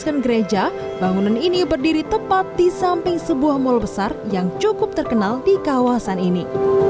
di kawasan gereja bangunan ini berdiri tepat di samping sebuah mal besar yang cukup terkenal di kawasan ini